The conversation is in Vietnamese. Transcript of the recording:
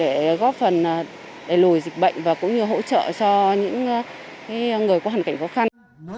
để góp phần đẩy lùi dịch bệnh và cũng như hỗ trợ cho những người có hoàn cảnh khó khăn